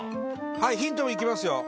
はいヒントいきますよ。